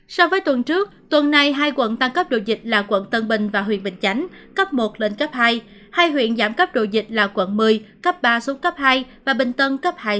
so với tuần trước tuần nay hai quận tăng cấp độ dịch là quận tân bình và huyện bình chánh hai huyện giảm cấp độ dịch là quận một mươi cấp ba xuống cấp hai và bình tân